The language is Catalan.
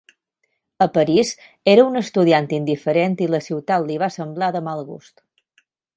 A París, era un estudiant indiferent i la ciutat li va semblar de mal gust.